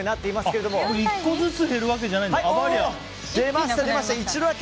これ、１個ずつ減るわけじゃないんだ。